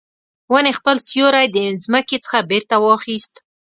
ونې خپل سیوری د مځکې څخه بیرته واخیست